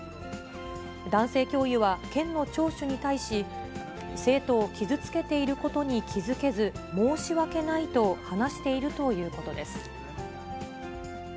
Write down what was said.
男性教諭は、県の聴取に対し、生徒を傷つけていることに気付けず、申し訳ないと話しているということです。